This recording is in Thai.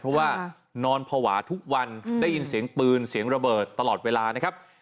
เพราะว่านอนภาวะทุกวันได้ยินเสียงปืนเสียงระเบิดตลอดเวลานะครับ